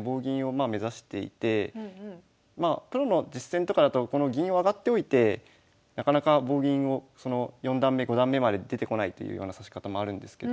棒銀をまあ目指していてまあプロの実戦とかだとこの銀を上がっておいてなかなか棒銀を四段目五段目まで出てこないというような指し方もあるんですけど。